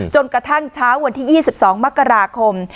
จนกระทั่งเช้าวันที่๒๒มกราคม